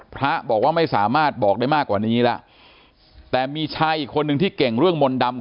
พระบอกว่าไม่สามารถบอกได้มากกว่านี้แล้วแต่มีชายอีกคนนึงที่เก่งเรื่องมนต์ดำ